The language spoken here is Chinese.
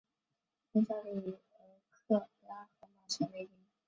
现效力于俄克拉何马城雷霆。